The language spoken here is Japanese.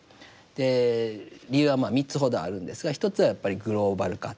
理由はまあ３つほどあるんですが１つはやっぱりグローバル化。